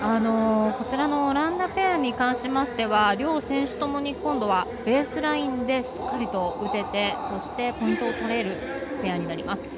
オランダペアに関しましては両選手ともに、ベースラインでしっかりと打ててそしてポイントを取れるペアになります。